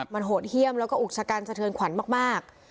มันโหดเยี่ยมแล้วก็อุกชะกันสะเทือนขวัญมาก